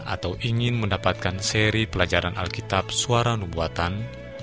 atau ingin mendapatkan seri pelajaran alkitab suara numbuatan